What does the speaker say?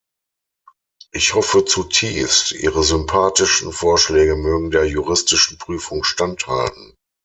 Ich hoffe zutiefst, ihre sympathischen Vorschläge mögen der juristischen Prüfung standhalten.